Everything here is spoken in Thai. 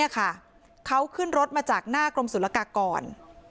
เขาขึ้นรถมาจากหน้ากลมสุรกากก่อน